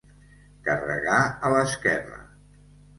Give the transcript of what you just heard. Carregar a l'esquerra.